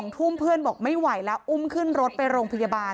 ทุ่มเพื่อนบอกไม่ไหวแล้วอุ้มขึ้นรถไปโรงพยาบาล